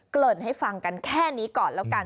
ริ่นให้ฟังกันแค่นี้ก่อนแล้วกัน